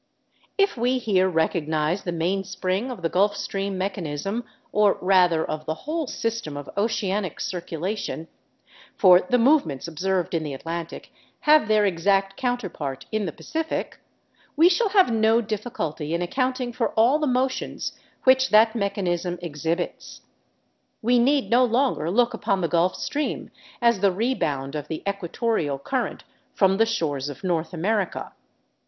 If we here recognise the mainspring of the Gulf Stream mechanism, or rather of the whole system of oceanic circulation for the movements observed in the Atlantic have their exact counterpart in the Pacific—we shall have no difficulty in accounting for all the motions which that mechanism exhibits. We need no longer look upon the Gulf Stream as the rebound of the equatorial current from the shores of North America.